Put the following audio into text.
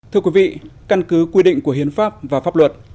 thưa quý vị căn cứ quy định của hiến pháp và pháp luật